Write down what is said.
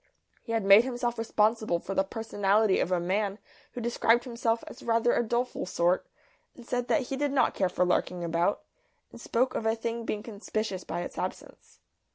He had made himself responsible for the personality of a man who described himself as rather a doleful sort, said that he did not care for larking about, and spoke of a thing being conspicuous by its absence.